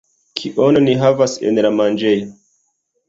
Kion ni havas en la manĝejo